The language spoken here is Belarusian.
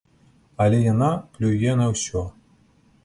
Але яна плюе на ўсё.